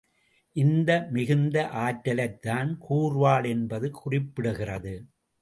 இந்த மிகுந்த ஆற்றலைத்தான் கூர்வாள் என்பது குறிப்பிடுகிறது.